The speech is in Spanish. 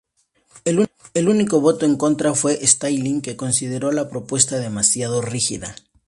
El único voto en contra fue Stalin, que consideró la propuesta demasiado rígida.